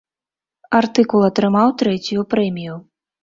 Артыкул атрымаў трэцюю прэмію.